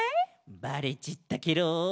バレちったケロ。